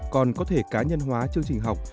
còn có thể cá nhân hóa chương trình học